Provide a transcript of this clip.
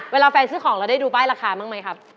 เวลาแฟนซื้อของเราได้ดูป้ายราคาบ้างไหมครับ